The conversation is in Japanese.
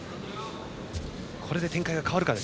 これで展開が変わるか。